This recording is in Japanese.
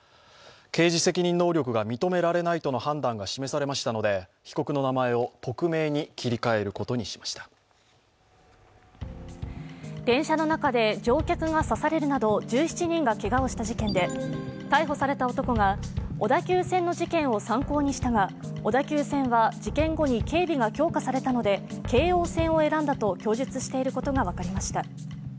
刑事責任能力が認められないとの判断が示されましたので、被告の名前を匿名に切り替えることにしました電車の中で乗客が刺されるなど１７人がけがをした事件で、逮捕された男が、小田急線の事件を参考にしたが、小田急線は事件後に警備が強化されたので京王線を選んだと供述していることが分かりました。